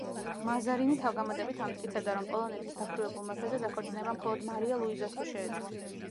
მაზარინი თავგამოდებით ამტკიცებდა, რომ პოლონეთის დაქვრივებულ მეფეზე დაქორწინება მხოლოდ მარია ლუიზას თუ შეეძლო.